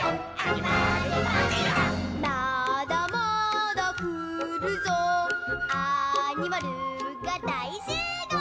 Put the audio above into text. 「まだまだくるぞアニマルがだいしゅうごう！」